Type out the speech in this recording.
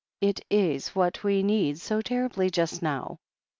It is what we need so ter ribly just now."